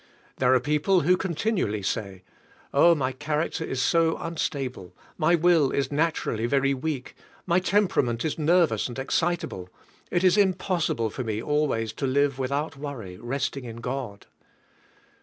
There are people who continually say: "Oh, my character is so unstable; my will is naturally very weak; my temperament is nervous and excitable, it is impossible for me always to live without worry, resting in God."